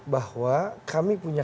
bahwa kami punya